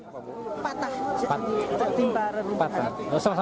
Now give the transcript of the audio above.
di palu di mana